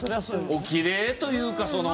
おきれいというかその。